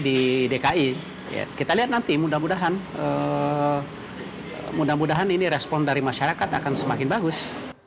di dki kita lihat nanti mudah mudahan mudah mudahan ini respon dari masyarakat akan semakin bagus